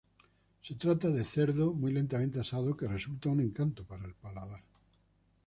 Se trata de cerdo muy lentamente asado que resulta un encanto para el paladar.